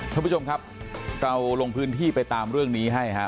ทุกผู้ชมครับก็รองพื้นที่ไปตามเรื่องนี้ให้ครับ